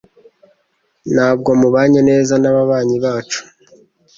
Ntabwo mubanye neza nababanyi bacu